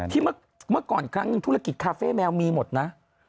เมื่อก่อนครั้งหนึ่งธุรกิจคาเฟ่แมวมีหมดนะ